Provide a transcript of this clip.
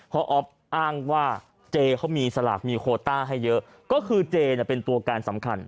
เพราะออฟอ้างว่าเจเขามีสลากมีโคต้าให้เยอะก็คือเจเป็นตัวการสำคัญ